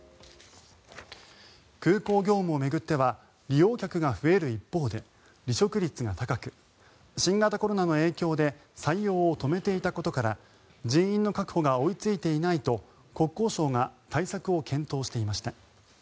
空港業務を巡っては利用客が増える一方で離職率が高く新型コロナの影響で採用を止めていたことから人員の確保が追いついていないと国交省が対策を検討していました。